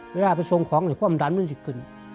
เวลาไปส่งของความดันมันจะกึน